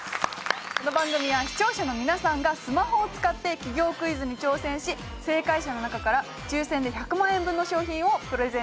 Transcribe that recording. この番組は視聴者の皆さんがスマホを使って企業クイズに挑戦し正解者の中から抽選で１００万円分の賞品をプレゼント致します。